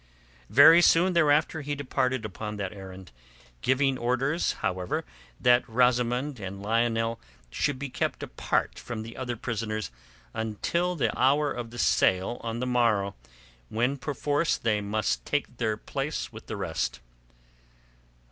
Very soon thereafter he departed upon that errand, giving orders, however, that Rosamund and Lionel should be kept apart from the other prisoners until the hour of the sale on the morrow when perforce they must take their place with the rest.